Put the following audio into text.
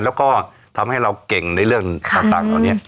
แล้วก็ทำให้เราเก่งในเรื่องต่างเหล่านี้